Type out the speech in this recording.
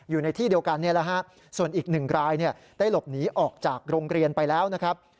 อยู่ในที่เดียวกันส่วนอีก๑รายได้หลบหนีออกจากโรงเรียนไปแล้วนะครับ